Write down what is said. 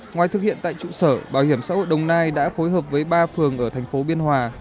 ngoài thực hiện tại trụ sở bảo hiểm xã hội đồng nai đã phối hợp với ba phường ở thành phố biên hòa